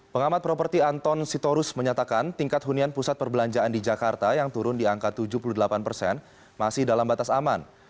pengamat properti anton sitorus menyatakan tingkat hunian pusat perbelanjaan di jakarta yang turun di angka tujuh puluh delapan persen masih dalam batas aman